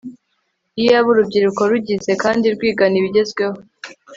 iyaba urubyiruko rugize kandi rwigana ibigezweho